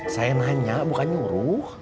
saya nanya bukan nyuruh